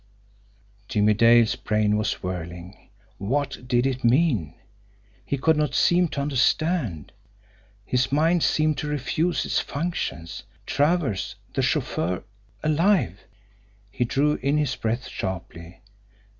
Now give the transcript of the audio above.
Jimmie Dale's brain was whirling. What did it mean? He could not seem to understand. His mind seemed to refuse its functions. Travers, the chauffeur ALIVE! He drew in his breath sharply.